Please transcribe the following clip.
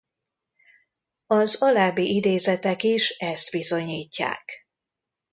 Az alábbi idézetek is ezt bizonyítják.